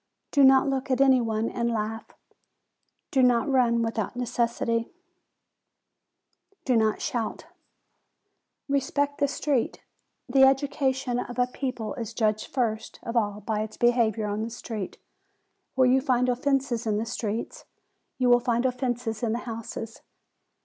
Do not look at any one and laugh; do not run without necessity; do not shout. Respect the street. The education of a people is judged first of all by their behavior on the street. Where you find offences in the streets, you will find offences in the houses.